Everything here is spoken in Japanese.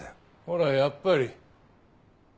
ほらやっぱり。